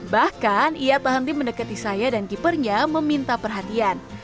bahkan ia tahan tim mendekati saya dan keepernya meminta perhatian